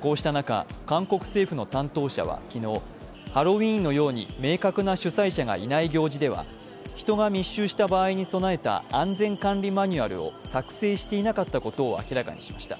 こうした中、韓国政府の担当者は昨日、ハロウィーンのように明確な主催者がいない行事では人が密集した場合に備えた安全管理マニュアルを作成していなかったことを明らかにしました。